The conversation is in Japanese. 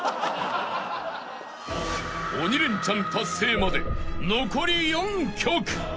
［鬼レンチャン達成まで残り４曲］